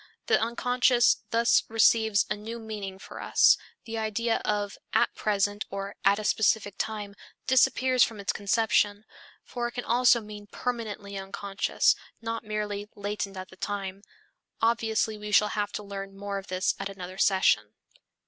The unconscious thus receives a new meaning for us; the idea of "at present" or "at a specific time" disappears from its conception, for it can also mean permanently unconscious, not merely latent at the time. Obviously we shall have to learn more of this at another session.